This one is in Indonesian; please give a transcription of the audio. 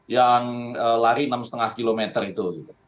yang lari enam lima km itu